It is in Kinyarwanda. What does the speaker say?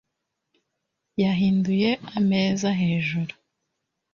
yahinduye ameza hejuru